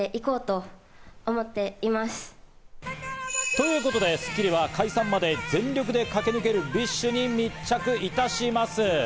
ということで、『スッキリ』は解散まで全力で駆け抜けるＢｉＳＨに密着いたします。